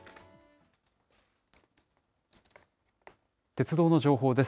鉄道の情報です。